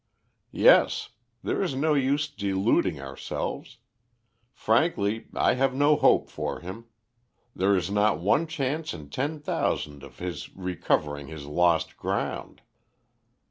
"Yes. There is no use deluding ourselves. Frankly, I have no hope for him. There is not one chance in ten thousand of his recovering his lost ground."